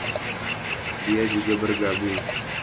Dia juga bergabung.